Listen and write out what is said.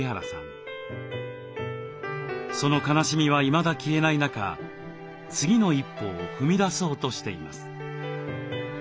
その悲しみはいまだ消えない中次の一歩を踏み出そうとしています。